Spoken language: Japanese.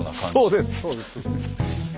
そうですそうです。